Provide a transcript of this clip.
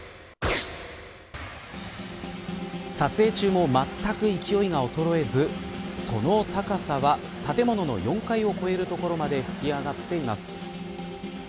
撮影中もまったく勢いが衰えずその高さは建物の４階を越える所まで噴き上がっています。